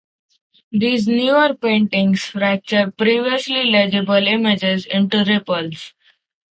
These newer paintings fracture previously legible images into ripples.